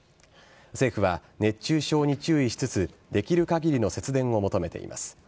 政府は熱中症に注意しつつできる限りの節電を求めています。